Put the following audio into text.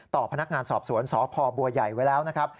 ต่อพนักงานสอบสวนสพบัวใหญ่ไว้แล้วนะครับ